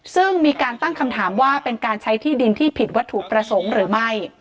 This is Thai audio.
ซึ่งมีการตั้งคำถามว่าเป็นการใช้ที่ดินที่ผิดวัตถุประสงค์หรือไม่